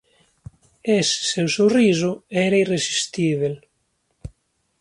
Ese seu sorriso era irresistible.